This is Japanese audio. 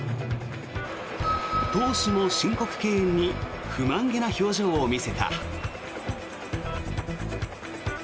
投手も申告敬遠に不満げな表情を見せた。